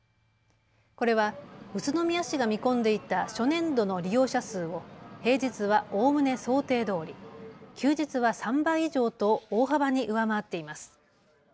これは宇都宮市が見込んでいた初年度の利用者数を平日はおおむね想定どおり、休日は３倍以上と大幅に上回っています。